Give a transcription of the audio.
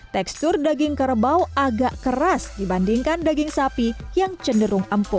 tekstur daging kerbau agak keras dibandingkan daging sapi yang cenderung empuk